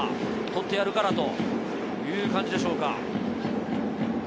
捕ってやるからというところでしょうか。